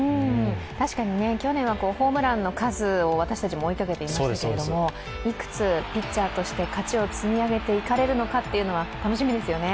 確かに去年はホームランの数を私たちも追いかけていましたが、いつくピッチャーとして勝ちを積み上げていけるのか楽しみですよね。